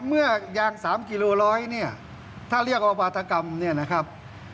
เมื่อยาง๓กิโลร้อยเนี่ยถ้าเรียกว่าวาธกรรมเนี่ยนะครับ